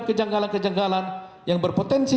kejanggalan kejanggalan yang berpotensi